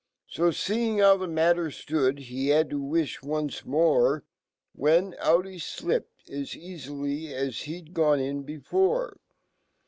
fa^eing how fhe matter stood f he had to wifh once more . When, out henipped, as eaflly as he'd gone in before.